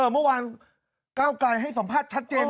เมื่อวานก้าวไกลให้สัมภาษณ์ชัดเจน